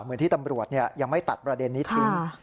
เหมือนที่ตำรวจยังไม่ตัดประเด็นนี้ทิ้ง